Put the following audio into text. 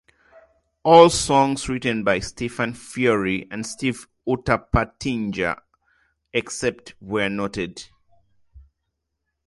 All songs written by Stefan Fiori and Steve Unterpertinger, except where noted.